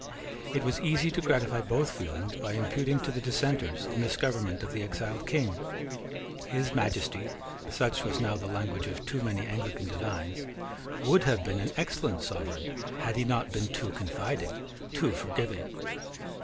It was easy to gratify both feelings by imputing to the dissenters the misgovernment of the exiled King. His Majesty such was now the language of too many Anglican divines would have been an excellent sovereign had he not been too confiding, too forgiving.